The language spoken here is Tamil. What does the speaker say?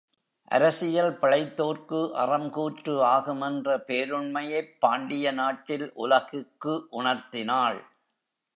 அரசியல் பிழைத்தோர்க்கு அறம் கூற்று ஆகும் என்ற பேருண்மையைப் பாண்டிய நாட்டில் உலகுக்கு உணர்த்தி னாள்.